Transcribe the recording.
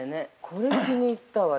これ、気に入ったわ。